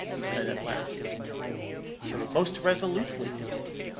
he said, at last. "'Most resolutely.'